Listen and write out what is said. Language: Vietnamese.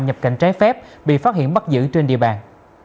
nhập cảnh trái phép bị phát hiện bắt giữ trên địa bàn